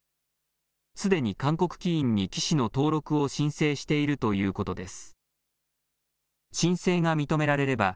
すでに韓国棋院に棋士の登録を申請しているということです。